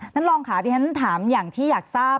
ท่านรองค่ะที่ฉันถามอย่างที่อยากทราบ